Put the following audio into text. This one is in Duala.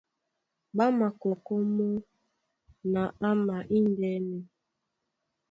Ɓá makɔkɔ́ mɔ́ na ama índɛ́nɛ.